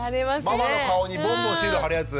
ママの顔にボンボンシール貼るやつ。